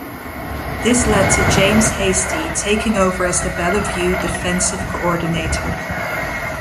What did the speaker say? This led to James Hasty taking over as the Bellevue defensive coordinator.